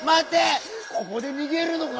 ここでにげるのか？